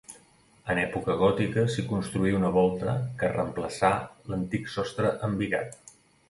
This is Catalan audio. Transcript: En època gòtica s'hi construí una volta que reemplaçà l'antic sostre embigat.